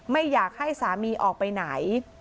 ไม่อยากให้สามีออกไปไหน